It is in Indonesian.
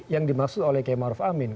yang dimaksud oleh km arof amin